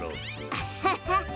アハハハ。